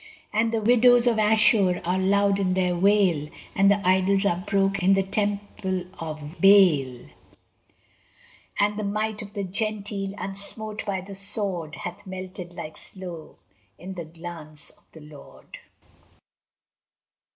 And the widows of Ashur are loud in their wail, And the idols are broke in the temple of Baal; And the might of the Gentile, unsmote by the sword, Hath melted like snow in the glance of the Lord!